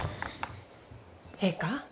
ええか？